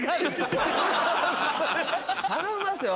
頼みますよ